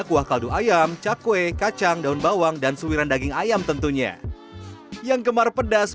kuah kaldu ayam cakwe kacang daun bawang dan suiran daging ayam tentunya yang gemar pedas